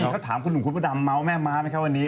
ถ้าถามถึงคุณบุ๊คบุ๊คดำเมาะแม่ม้ามาไว้ใครวันนี้